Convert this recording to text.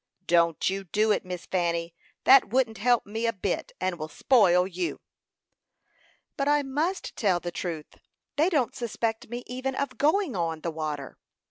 "Don't you do it, Miss Fanny. That wouldn't help me a bit, and will spoil you." "But I must tell the truth. They don't suspect me even of going on the water."